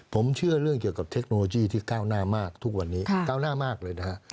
ผมเชื่อเรื่องเกี่ยวกับเทคโนโลยีที่ก้าวหน้ามากทุกวันนี้ก้าวหน้ามากเลยนะฮะ